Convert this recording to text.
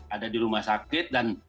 ada di rumah sakit dan